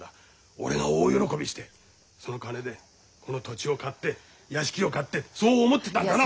俺が大喜びしてその金でこの土地を買って屋敷を買ってそう思ってたんだなお前は。